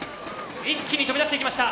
一気に飛び出していきました！